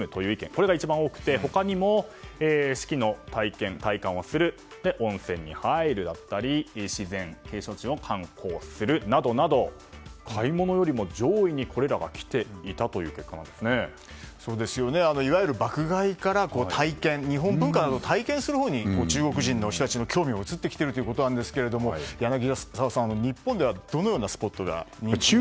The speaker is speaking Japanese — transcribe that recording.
これが一番多くて他にも四季の体感をする温泉に入るだったり自然・景勝地を観光するなどなど買い物よりもいわゆる爆買いから体験日本文化を体験するほうに中国人の方たちの興味が移ってきているということですが柳澤さん、日本ではどのようなスポットが人気なんですか。